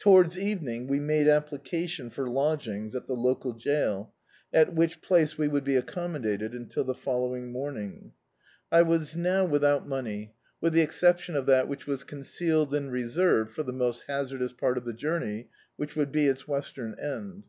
To wards evening we made application for lodgings at the local jail, at which place we would be accom modated until the following morning. I was now [■831 D,i.,.db, Google The Autobiography of a Super Tramp without money, with the exception of that whidi was concealed and reserved for the most hazardous part of the journey, which would be its western end.